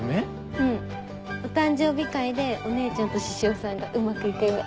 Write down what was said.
うんお誕生日会でお姉ちゃんと獅子王さんがうまく行く夢。